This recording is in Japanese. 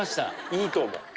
いいと思う。